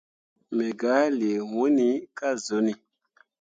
Me gah lii hunni ka zuni.